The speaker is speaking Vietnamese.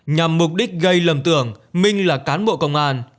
nhằm mục đích gây lầm tưởng minh là cán bộ công an